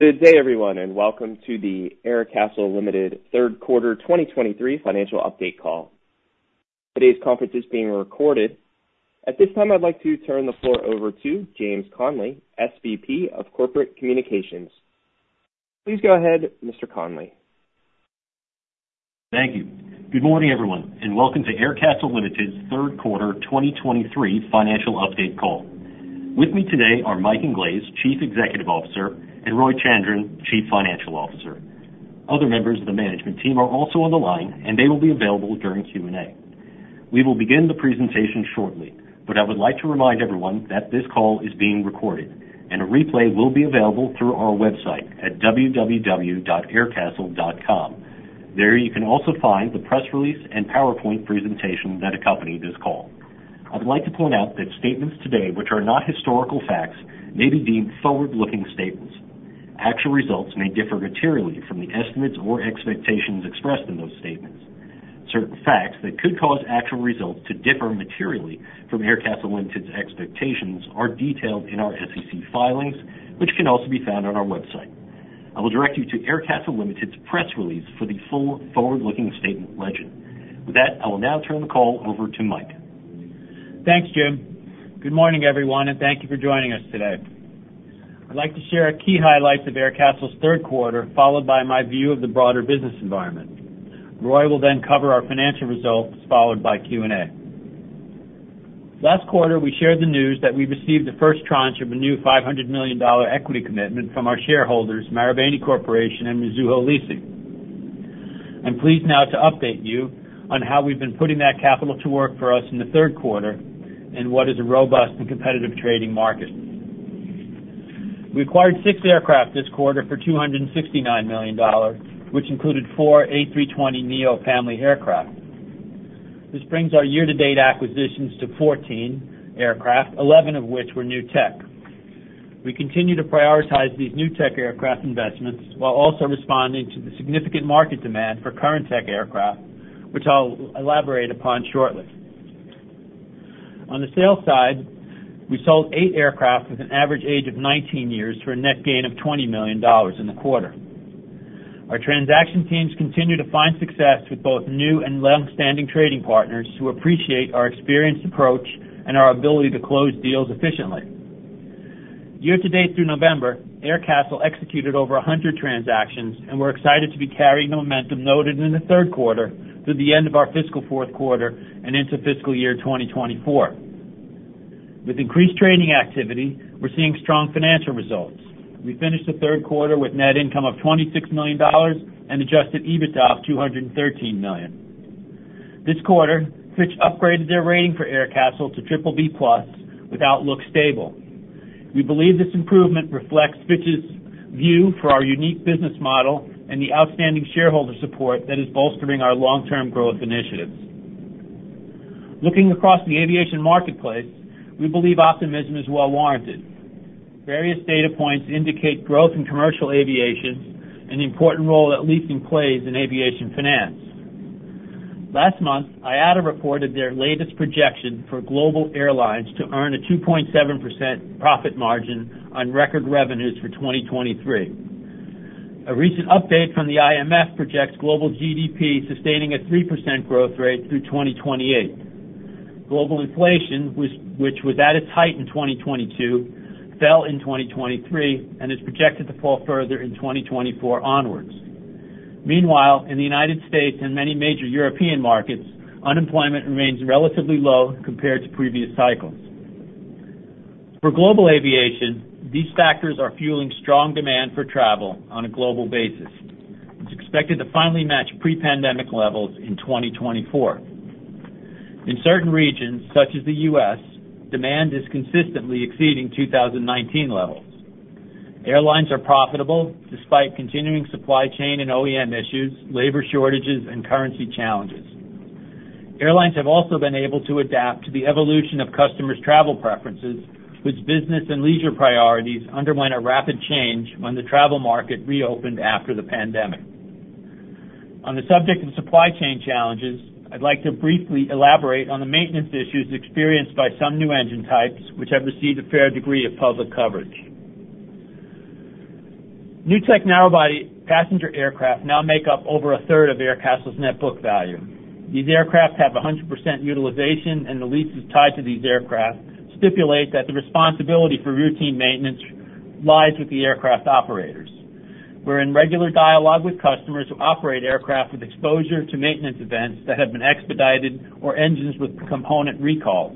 Good day, everyone, and welcome to the Aircastle Limited Third Quarter 2023 Financial Update Call. Today's conference is being recorded. At this time, I'd like to turn the floor over to James Connelly, SVP of Corporate Communications. Please go ahead, Mr. Connelly. Thank you. Good morning, everyone, and welcome to Aircastle Limited's Third Quarter 2023 Financial Update Call. With me today are Mike Inglese, Chief Executive Officer, and Roy Chandran, Chief Financial Officer. Other members of the management team are also on the line, and they will be available during Q&A. We will begin the presentation shortly, but I would like to remind everyone that this call is being recorded, and a replay will be available through our website at www.aircastle.com. There, you can also find the press release and PowerPoint presentation that accompany this call. I would like to point out that statements today, which are not historical facts, may be deemed forward-looking statements. Actual results may differ materially from the estimates or expectations expressed in those statements. Certain facts that could cause actual results to differ materially from Aircastle Limited's expectations are detailed in our SEC filings, which can also be found on our website. I will direct you to Aircastle Limited's press release for the full forward-looking statement legend. With that, I will now turn the call over to Mike. Thanks, Jim. Good morning, everyone, and thank you for joining us today. I'd like to share our key highlights of Aircastle's third quarter, followed by my view of the broader business environment. Roy will then cover our financial results, followed by Q&A. Last quarter, we shared the news that we received the first tranche of a new $500 million equity commitment from our shareholders, Marubeni Corporation and Mizuho Leasing. I'm pleased now to update you on how we've been putting that capital to work for us in the third quarter, in what is a robust and competitive trading market. We acquired six aircraft this quarter for $269 million, which included four A320neo family aircraft. This brings our year-to-date acquisitions to 14 aircraft, 11 of which were new tech. We continue to prioritize these new tech aircraft investments while also responding to the significant market demand for current tech aircraft, which I'll elaborate upon shortly. On the sales side, we sold 8 aircraft with an average age of 19 years for a net gain of $20 million in the quarter. Our transaction teams continue to find success with both new and long-standing trading partners, who appreciate our experienced approach and our ability to close deals efficiently. Year to date through November, Aircastle executed over 100 transactions, and we're excited to be carrying the momentum noted in the third quarter through the end of our fiscal fourth quarter and into fiscal year 2024. With increased trading activity, we're seeing strong financial results. We finished the third quarter with net income of $26 million and Adjusted EBITDA of $213 million. This quarter, Fitch upgraded their rating for Aircastle to BBB+ with outlook stable. We believe this improvement reflects Fitch's view for our unique business model and the outstanding shareholder support that is bolstering our long-term growth initiatives. Looking across the aviation marketplace, we believe optimism is well warranted. Various data points indicate growth in commercial aviation and the important role that leasing plays in aviation finance. Last month, IATA reported their latest projection for global airlines to earn a 2.7% profit margin on record revenues for 2023. A recent update from the IMF projects global GDP sustaining a 3% growth rate through 2028. Global inflation, which was at its height in 2022, fell in 2023 and is projected to fall further in 2024 onwards. Meanwhile, in the United States and many major European markets, unemployment remains relatively low compared to previous cycles. For global aviation, these factors are fueling strong demand for travel on a global basis. It's expected to finally match pre-pandemic levels in 2024. In certain regions, such as the U.S., demand is consistently exceeding 2019 levels. Airlines are profitable despite continuing supply chain and OEM issues, labor shortages, and currency challenges. Airlines have also been able to adapt to the evolution of customers' travel preferences, which business and leisure priorities underwent a rapid change when the travel market reopened after the pandemic. On the subject of supply chain challenges, I'd like to briefly elaborate on the maintenance issues experienced by some new engine types, which have received a fair degree of public coverage. New tech narrow-body passenger aircraft now make up over a third of Aircastle's net book value. These aircraft have 100% utilization, and the leases tied to these aircraft stipulate that the responsibility for routine maintenance lies with the aircraft operators. We're in regular dialogue with customers who operate aircraft with exposure to maintenance events that have been expedited or engines with component recalls.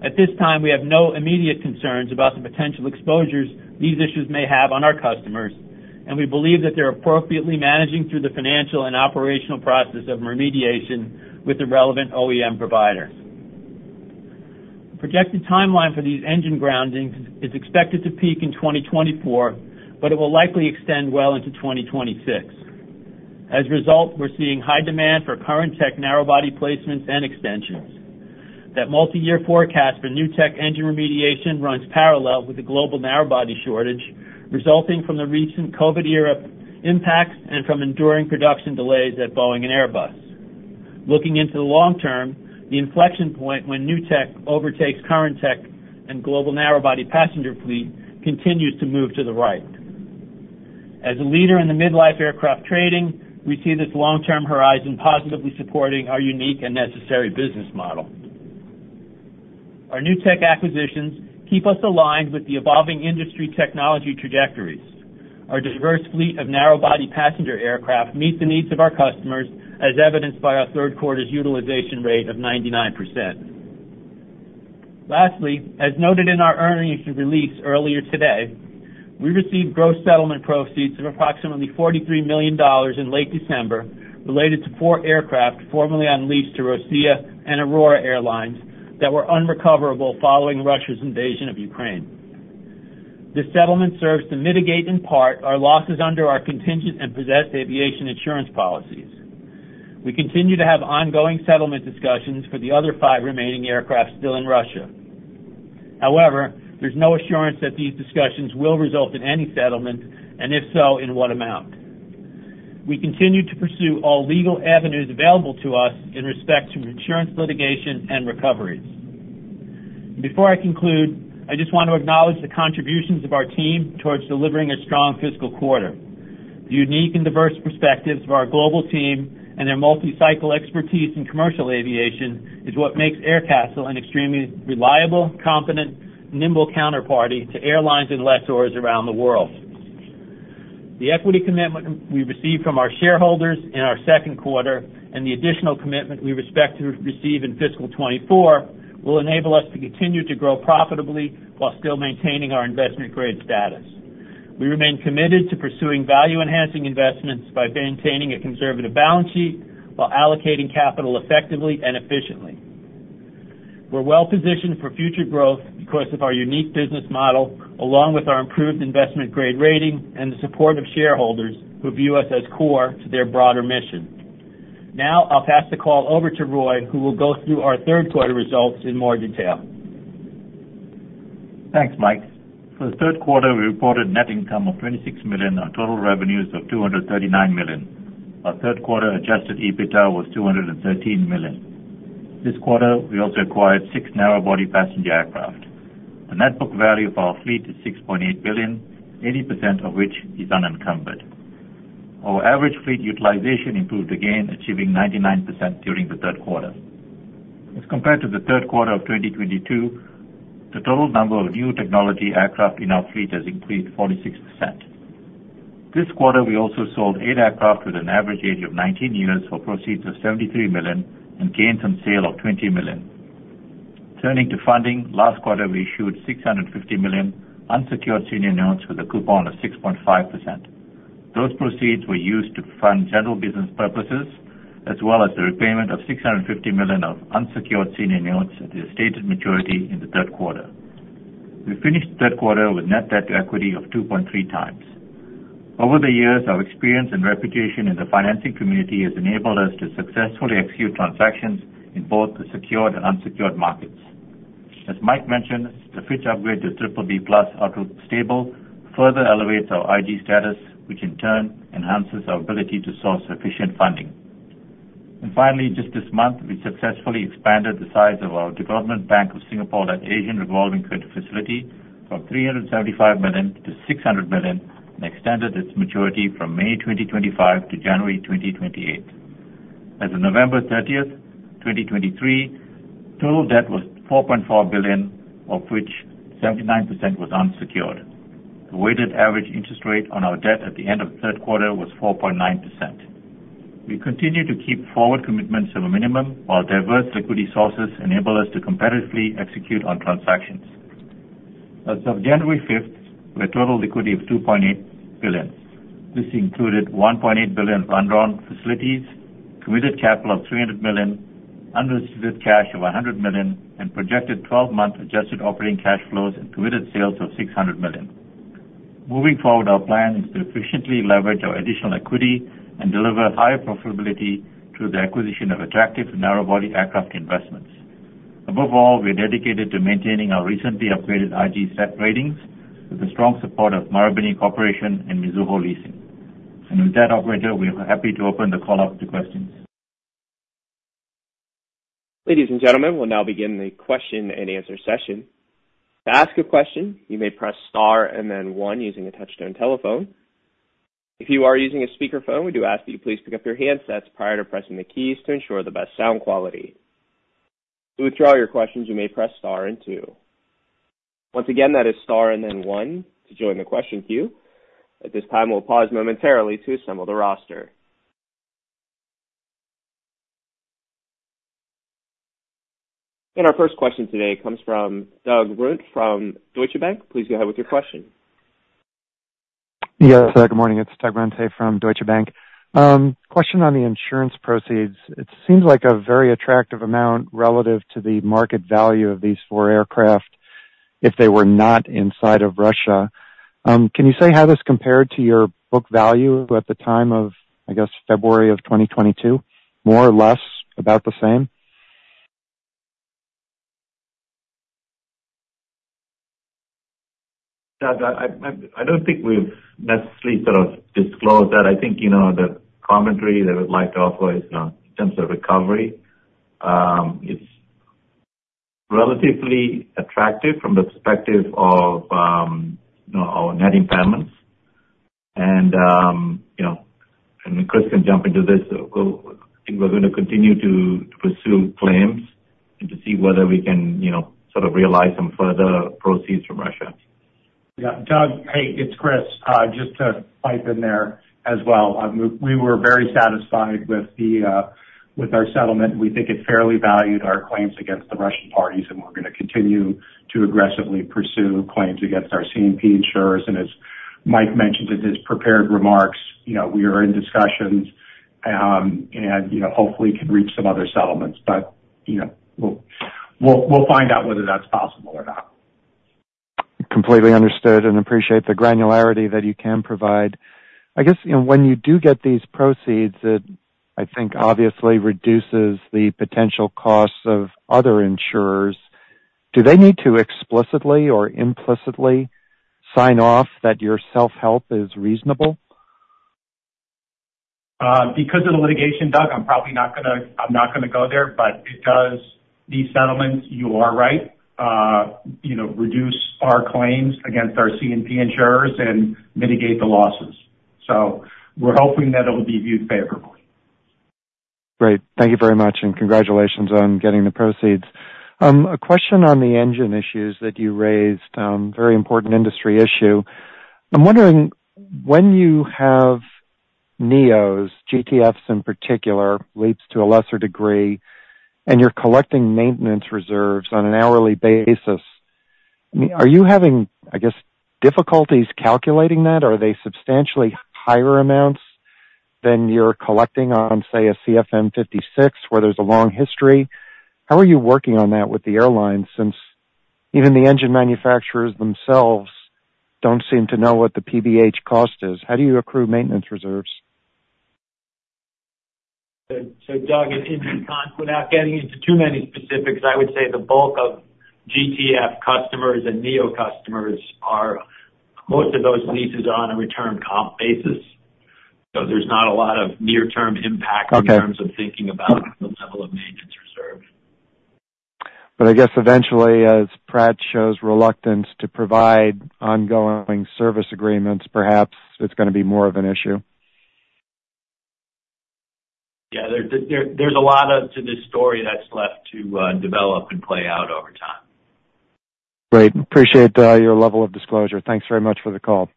At this time, we have no immediate concerns about the potential exposures these issues may have on our customers, and we believe that they're appropriately managing through the financial and operational process of remediation with the relevant OEM provider. Projected timeline for these engine groundings is expected to peak in 2024, but it will likely extend well into 2026. As a result, we're seeing high demand for current tech narrow-body placements and extensions. That multiyear forecast for new tech engine remediation runs parallel with the global narrow-body shortage, resulting from the recent COVID-era impacts and from enduring production delays at Boeing and Airbus. Looking into the long term, the inflection point when new tech overtakes current tech and global narrow body passenger fleet continues to move to the right. As a leader in the mid-life aircraft trading, we see this long-term horizon positively supporting our unique and necessary business model. Our new tech acquisitions keep us aligned with the evolving industry technology trajectories. Our diverse fleet of narrow body passenger aircraft meet the needs of our customers, as evidenced by our third quarter's utilization rate of 99%. Lastly, as noted in our earnings release earlier today, we received gross settlement proceeds of approximately $43 million in late December, related to four aircraft formerly on lease to Rossiya and Aurora Airlines that were unrecoverable following Russia's invasion of Ukraine. This settlement serves to mitigate, in part, our losses under our contingent and possessed aviation insurance policies. We continue to have ongoing settlement discussions for the other five remaining aircraft still in Russia. However, there's no assurance that these discussions will result in any settlement, and if so, in what amount. We continue to pursue all legal avenues available to us in respect to insurance, litigation, and recoveries. Before I conclude, I just want to acknowledge the contributions of our team towards delivering a strong fiscal quarter. The unique and diverse perspectives of our global team and their multi-cycle expertise in commercial aviation is what makes Aircastle an extremely reliable, competent, nimble counterparty to airlines and lessors around the world. The equity commitment we received from our shareholders in our second quarter and the additional commitment we expect to receive in fiscal 2024, will enable us to continue to grow profitably while still maintaining our investment grade status. We remain committed to pursuing value-enhancing investments by maintaining a conservative balance sheet while allocating capital effectively and efficiently. We're well positioned for future growth because of our unique business model, along with our improved investment grade rating and the support of shareholders who view us as core to their broader mission. Now I'll pass the call over to Roy, who will go through our third quarter results in more detail. Thanks, Mike. For the third quarter, we reported net income of $26 million on total revenues of $239 million. Our third quarter Adjusted EBITDA was $213 million. This quarter, we also acquired 6 narrow-body passenger aircraft. The net book value of our fleet is $6.8 billion, 80% of which is unencumbered. Our average fleet utilization improved again, achieving 99% during the third quarter. As compared to the third quarter of 2022, the total number of new technology aircraft in our fleet has increased 46%. This quarter, we also sold 8 aircraft with an average age of 19 years, for proceeds of $73 million and gains on sale of $20 million. Turning to funding, last quarter, we issued $650 million unsecured senior notes with a coupon of 6.5%. Those proceeds were used to fund general business purposes, as well as the repayment of $650 million of unsecured senior notes at the stated maturity in the third quarter. We finished the third quarter with net debt to equity of 2.3 times. Over the years, our experience and reputation in the financing community has enabled us to successfully execute transactions in both the secured and unsecured markets. As Mike mentioned, the Fitch upgrade to BBB+ outlook stable, further elevates our IG status, which in turn enhances our ability to source sufficient funding. Finally, just this month, we successfully expanded the size of our Development Bank of Singapore and Asian revolving credit facility from $375 million to $600 million, and extended its maturity from May 2025 to January 2028. As of November 30, 2023, total debt was $4.4 billion, of which 79% was unsecured. The weighted average interest rate on our debt at the end of the third quarter was 4.9%. We continue to keep forward commitments to the minimum, while diverse liquidity sources enable us to competitively execute on transactions. As of January 5, 2024, we had total liquidity of $2.8 billion. This included $1.8 billion undrawn facilities, committed capital of $300 million, unreceived cash of $100 million, and projected twelve-month adjusted operating cash flows and committed sales of $600 million. Moving forward, our plan is to efficiently leverage our additional equity and deliver higher profitability through the acquisition of attractive narrow body aircraft investments. Above all, we are dedicated to maintaining our recently upgraded IG debt ratings with the strong support of Marubeni Corporation and Mizuho Leasing. And with that, operator, we are happy to open the call up to questions. Ladies and gentlemen, we'll now begin the question and answer session. To ask a question, you may press star and then one using a touchtone telephone. If you are using a speakerphone, we do ask that you please pick up your handsets prior to pressing the keys to ensure the best sound quality. To withdraw your questions, you may press star and two. Once again, that is star and then one to join the question queue. At this time, we'll pause momentarily to assemble the roster. Our first question today comes from Douglas Runte from Deutsche Bank. Please go ahead with your question. Yes, good morning, it's Doug Runte from Deutsche Bank. Question on the insurance proceeds. It seems like a very attractive amount relative to the market value of these four aircraft, if they were not inside of Russia. Can you say how this compared to your book value at the time of, I guess, February of 2022? More or less, about the same?... Yeah, Doug, I don't think we've necessarily sort of disclosed that. I think, you know, the commentary that I'd like to offer is, you know, in terms of recovery, it's relatively attractive from the perspective of, you know, our net impairments. And, you know, and Chris can jump into this, so go. I think we're gonna continue to pursue claims and to see whether we can, you know, sort of realize some further proceeds from Russia. Yeah, Doug, hey, it's Chris. Just to pipe in there as well. We were very satisfied with our settlement. We think it fairly valued our claims against the Russian parties, and we're gonna continue to aggressively pursue claims against our C&P insurers. And as Mike mentioned in his prepared remarks, you know, we are in discussions, and, you know, hopefully can reach some other settlements. But, you know, we'll find out whether that's possible or not. Completely understood, and appreciate the granularity that you can provide. I guess, you know, when you do get these proceeds, it, I think, obviously reduces the potential costs of other insurers. Do they need to explicitly or implicitly sign off that your self-help is reasonable? Because of the litigation, Doug, I'm probably not gonna—I'm not gonna go there, but it does, these settlements, you are right, you know, reduce our claims against our C&P insurers and mitigate the losses. So we're hoping that it'll be viewed favorably. Great. Thank you very much, and congratulations on getting the proceeds. A question on the engine issues that you raised, very important industry issue. I'm wondering, when you have neos, GTFs in particular, LEAPs to a lesser degree, and you're collecting maintenance reserves on an hourly basis, I mean, are you having, I guess, difficulties calculating that? Are they substantially higher amounts than you're collecting on, say, a CFM56, where there's a long history? How are you working on that with the airlines, since even the engine manufacturers themselves don't seem to know what the PBH cost is? How do you accrue maintenance reserves? So, Doug, without getting into too many specifics, I would say the bulk of GTF customers and neo customers are, most of those leases are on a return comp basis, so there's not a lot of near-term impact. Okay. In terms of thinking about the level of maintenance reserve. I guess eventually, as Pratt shows reluctance to provide ongoing service agreements, perhaps it's gonna be more of an issue. Yeah, there, there, there's a lot of to this story that's left to develop and play out over time. Great. Appreciate your level of disclosure. Thanks very much for the call.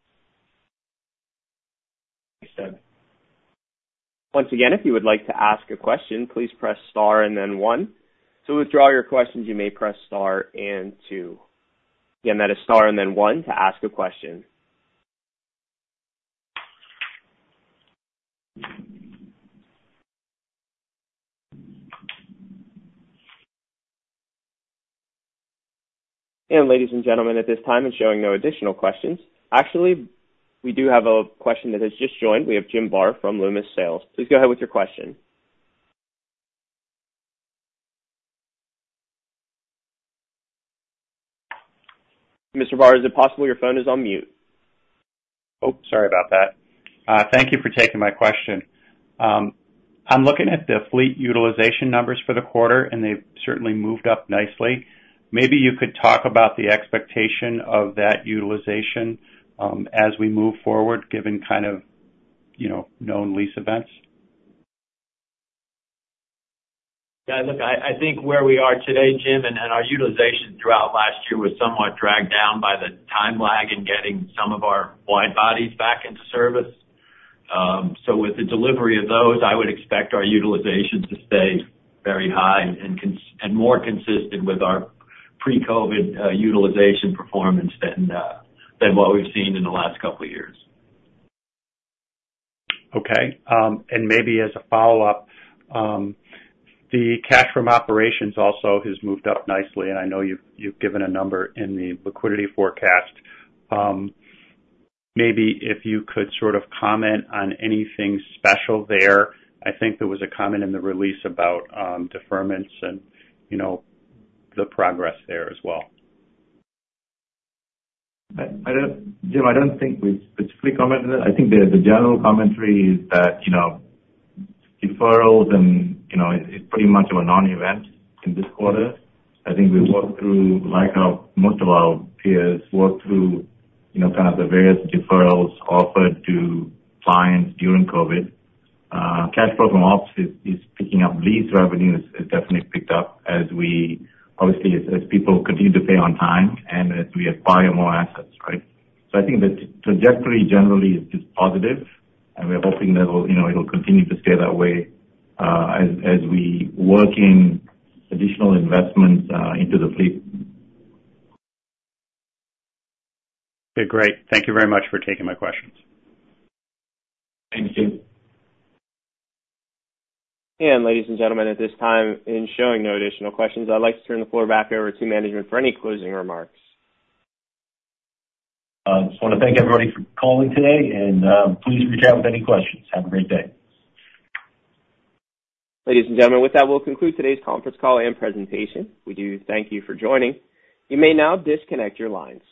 Thanks, Doug. Once again, if you would like to ask a question, please press Star and then one. To withdraw your questions, you may press Star and two. Again, that is Star and then one to ask a question. Ladies and gentlemen, at this time, it's showing no additional questions. Actually, we do have a question that has just joined. We have Jim Barr from Loomis Sayles. Please go ahead with your question. Mr. Barr, is it possible your phone is on mute? Oh, sorry about that. Thank you for taking my question. I'm looking at the fleet utilization numbers for the quarter, and they've certainly moved up nicely. Maybe you could talk about the expectation of that utilization, as we move forward, given kind of, you know, known lease events. Yeah, look, I think where we are today, Jim, and our utilization throughout last year was somewhat dragged down by the time lag in getting some of our wide-bodies back into service. So with the delivery of those, I would expect our utilization to stay very high and more consistent with our pre-COVID utilization performance than what we've seen in the last couple of years. Okay, and maybe as a follow-up, the cash from operations also has moved up nicely, and I know you've, you've given a number in the liquidity forecast. Maybe if you could sort of comment on anything special there. I think there was a comment in the release about, deferments and, you know, the progress there as well. I don't... Jim, I don't think we specifically commented on it. I think the general commentary is that, you know, deferrals and, you know, it's pretty much of a non-event in this quarter. I think we worked through, like most of our peers, worked through, you know, kind of the various deferrals offered to clients during COVID. Cash flow from ops is picking up. Lease revenue is definitely picked up as we obviously, as people continue to pay on time and as we acquire more assets, right? So I think the trajectory generally is just positive, and we're hoping that it will, you know, it'll continue to stay that way, as we work in additional investments into the fleet. Okay, great. Thank you very much for taking my questions. Thank you, Jim. Ladies and gentlemen, at this time, in showing no additional questions, I'd like to turn the floor back over to management for any closing remarks. I just want to thank everybody for calling today, and, please reach out with any questions. Have a great day. Ladies and gentlemen, with that, we'll conclude today's conference call and presentation. We do thank you for joining. You may now disconnect your lines.